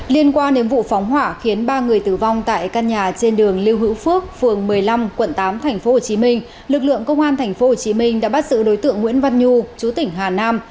liên quan đến vụ phóng hỏa khiến ba người tử vong tại căn nhà trên đường lưu hữu phước phường một mươi năm quận tám tp hcm lực lượng công an tp hcm đã bắt sự đối tượng nguyễn văn nhu chú tỉnh hà nam